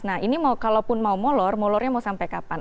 nah ini kalaupun mau molor molornya mau sampai kapan